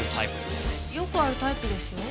よくあるタイプですよ。